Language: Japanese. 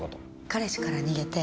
彼氏から逃げて。